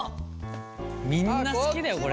みんな好きだよこれ。